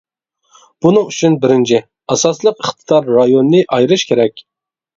بۇنىڭ ئۈچۈن بىرىنچى، ئاساسلىق ئىقتىدار رايونىنى ئايرىش كېرەك.